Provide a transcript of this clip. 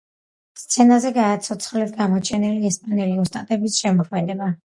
სცენაზე გააცოცხლეს გამოჩენილი ესპანელი ოსტატების შემოქმედება.